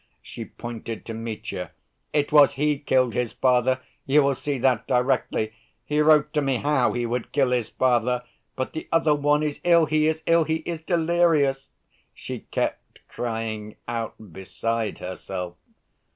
she pointed to Mitya. "It was he killed his father, you will see that directly. He wrote to me how he would kill his father! But the other one is ill, he is ill, he is delirious!" she kept crying out, beside herself.